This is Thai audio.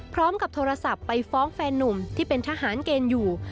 พร้อมกับโทรศัพท์ไปฟ้องแฟนนุ่มที่เป็นทหารเกณฑ์อยู่